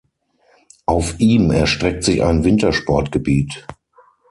Auf ihm erstreckt sich ein Wintersportgebiet.